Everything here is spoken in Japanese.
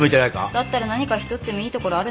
だったら何か一つでもいいところあるんですか？